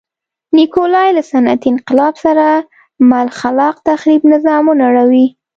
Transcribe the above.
نیکولای له صنعتي انقلاب سره مل خلاق تخریب نظام ونړوي.